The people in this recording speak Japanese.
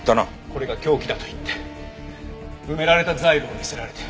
これが凶器だと言って埋められたザイルを見せられて。